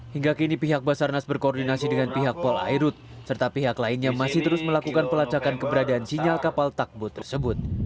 hingga kini pihak basarnas berkoordinasi dengan pihak polairut serta pihak lainnya masih terus melakukan pelacakan keberadaan sinyal kapal takbut tersebut